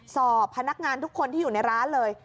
สอบพนักงานทุกคนที่อยู่ในร้านเลย